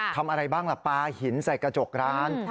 ทำอะไรบ้างล่ะปลาหินใส่กระจกร้าน